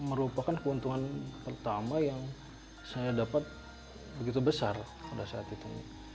merupakan keuntungan pertama yang saya dapat begitu besar pada saat itu